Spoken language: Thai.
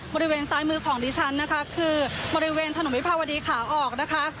บริเวณซ้ายมือของดิฉันนะคะคือบริเวณถนนวิภาวดีขาออกนะคะ